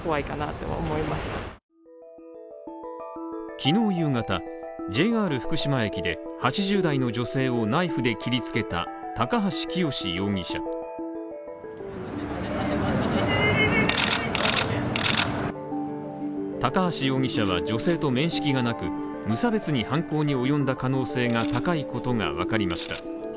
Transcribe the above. きのう夕方、ＪＲ福島駅で８０代の女性をナイフで切りつけた高橋清容疑者高橋容疑者は女性と面識がなく、無差別に犯行に及んだ可能性が高いことがわかりました。